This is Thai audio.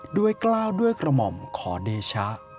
กล้าวด้วยกระหม่อมขอเดชะ